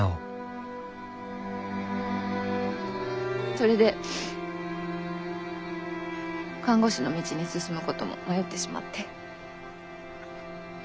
それで看護師の道に進むことも迷ってしまって。